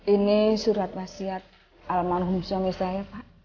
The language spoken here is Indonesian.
ini surat wasiat almarhum suami saya pak